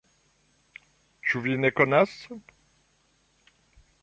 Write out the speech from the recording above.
Ĉu vi ne konas?